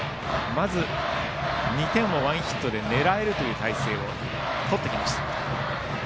２点をワンヒットで狙える態勢を作ってきました。